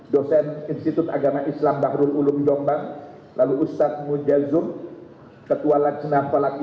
dosen institut agama islam bahru ulum jombang lalu ustadz mujadzum ketua lajna polatia